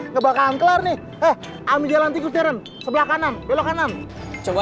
ngebakaran kelar nih eh ami jalan tigus rencana sebelah kanan belok kanan coba